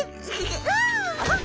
あっ！